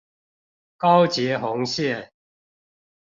高捷紅線